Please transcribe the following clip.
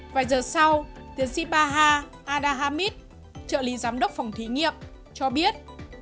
vài giờ sau tiến sĩ baha adahamid trợ lý giám đốc phòng thí nghiệm cho biết